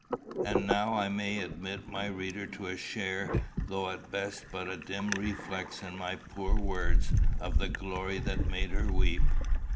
And now I may admit my reader to a share, though at best but a dim reflex in my poor words, of the glory that made her weep.